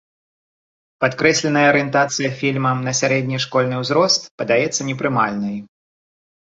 Падкрэсленая арыентацыя фільма на сярэдні школьны ўзрост падаецца непрымальнай.